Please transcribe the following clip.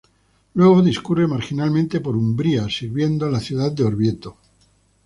Luego discurre marginalmente por Umbría, sirviendo a la ciudad de Orvieto.